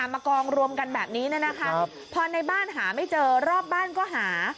มากองรวมกันแบบนี้นะคะพอในบ้านหาไม่เจอรอบบ้านก็หา